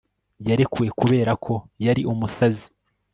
yarekuwe kubera ko yari umusazi